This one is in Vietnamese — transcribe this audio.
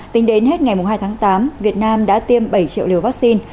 tính đến hết ngày hai tháng tám việt nam đã tiêm bảy triệu liều vaccine